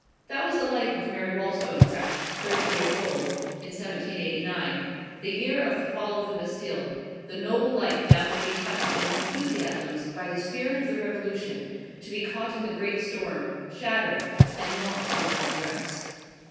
That was the life of Mary Wollstonecraft, thirty years old, in 1789, the year of the Fall of the Bastille; the noble life now to be touched in its enthusiasms by the spirit of the Revolution, to be caught in the great storm, shattered, and lost among its wrecks.